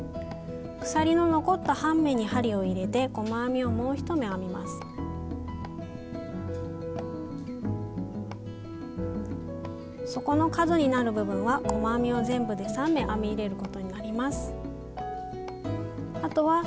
鎖の残った半目に針を入れて底の角になる部分は細編みを全部で３目編み入れることになります。